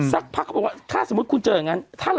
ตั้งแต่เช้า